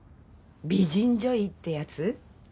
美人女医ってやつ？